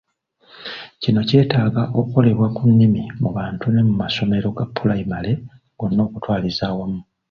Kino kyetaaga okukolebwa ku nnimi mu bantu ne mu masomero ga ppulayima gonna okutwaliza wamu.